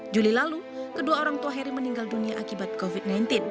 juli lalu kedua orang tua heri meninggal dunia akibat covid sembilan belas